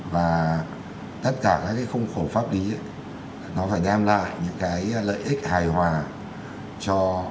và tất cả các cái khung khổ pháp lý nó phải đem lại những cái lợi ích hài hòa cho